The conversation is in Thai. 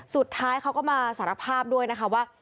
สุดท้ายเขาก็มาสารภาพด้วยนะคะว่า